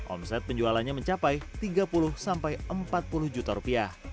omset penjualannya mencapai rp tiga puluh rp tiga puluh